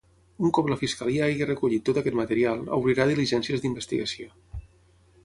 Un cop la fiscalia hagi recollit tot aquest material, obrirà diligències d’investigació.